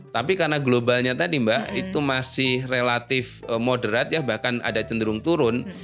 tapi karena globalnya tadi mbak itu masih relatif moderat ya bahkan ada cenderung turun